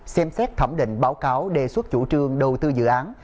xem xét thẩm định báo cáo đề xuất chủ trương đầu tư dự án